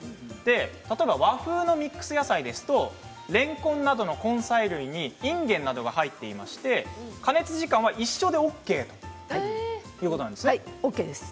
例えば和風のミックス野菜ですとれんこんなどの根菜類にいんげんなどが入っていまして加熱時間は一緒でＯＫなんです。